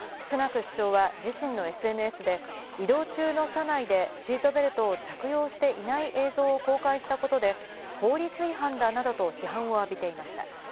首相は自身のＳＮＳで、移動中の車内でシートベルトを着用していない映像を公開したことで、法律違反だなどと批判を浴びていました。